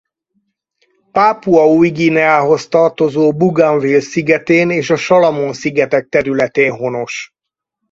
Pápua Új-Guineához tartozó Bougainville szigetén és a Salamon-szigetek területén honos.